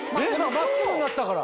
真っすぐになったから。